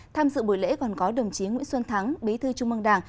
tham dự buổi lễ còn có đồng chí nguyễn xuân thắng bí thư trung mương đảng